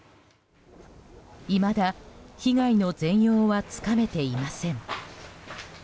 いまだ被害の全容はつかめていません。